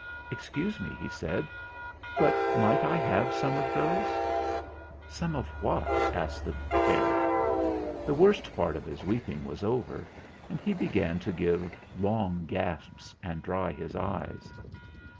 "Excuse me," he said, "but might I have some of those?" ioo THE FLINT HEART "Some of what?" asked the fairy. The worst part of his weeping was over and he be gan to give long gasps and dry his eyes.